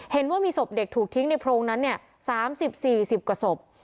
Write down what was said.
เห็นว่ามีศพเด็กถูกทิ้งในโพรงนั้นเนี่ยสามสิบสี่สิบกว่าศพ